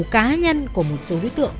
cá nhân của một số đối tượng